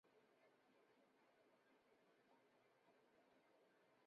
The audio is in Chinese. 屏边厚壳树为紫草科厚壳树属下的一个种。